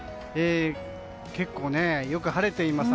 結構、よく晴れています。